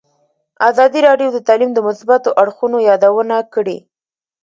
ازادي راډیو د تعلیم د مثبتو اړخونو یادونه کړې.